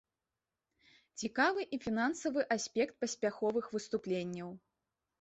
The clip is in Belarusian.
Цікавы і фінансавы аспект паспяховых выступленняў.